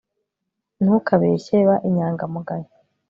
ntukabeshye ba inyangamugayo